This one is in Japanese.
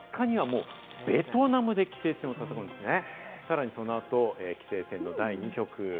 そして５日にはもうベトナムで棋聖戦を戦うんですね。